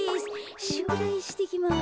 しゅくだいしてきます。